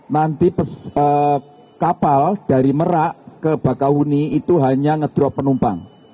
nanti kapal dari merak ke bakauni itu hanya ngedrop penumpang